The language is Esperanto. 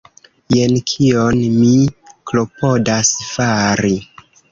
Jen kion mi klopodas fari.